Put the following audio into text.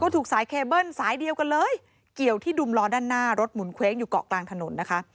ถูกสายเคเบิ้ลสายเดียวกันเลยเกี่ยวที่ดุมล้อด้านหน้ารถหมุนเว้งอยู่เกาะกลางถนนนะคะ